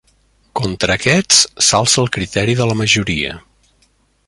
Contra aquests, s'alça el criteri de la majoria.